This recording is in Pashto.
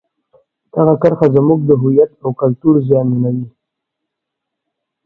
دغه کرښه زموږ د هویت او کلتور زیانمنوي.